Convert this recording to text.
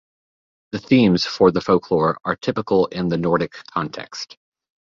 The themes for the folklore are typical in the Nordic context.